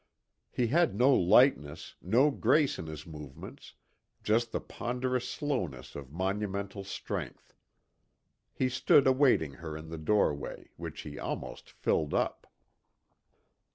He had no lightness, no grace in his movements; just the ponderous slowness of monumental strength. He stood awaiting her in the doorway, which he almost filled up.